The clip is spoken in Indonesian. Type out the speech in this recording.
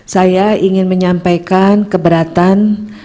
saya ingin menyampaikan keberatan